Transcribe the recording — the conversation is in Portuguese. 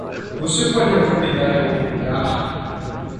Você pode recomendar em algum lugar?